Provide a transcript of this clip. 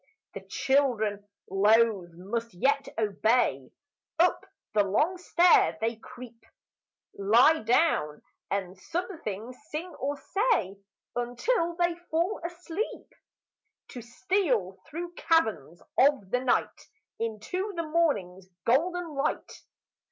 The children, loath, must yet obey; Up the long stair they creep; Lie down, and something sing or say Until they fall asleep, To steal through caverns of the night Into the morning's golden light.